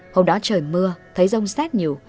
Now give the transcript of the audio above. hôm đó trời mưa thấy rông xét nhiều